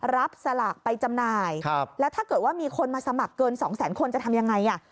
สลากไปจำหน่ายแล้วถ้าเกิดว่ามีคนมาสมัครเกินสองแสนคนจะทำยังไงอ่ะ